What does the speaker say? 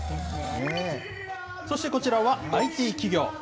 そしてこちらはＩＴ企業。